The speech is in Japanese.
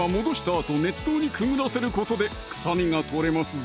あと熱湯にくぐらせることで臭みがとれますぞ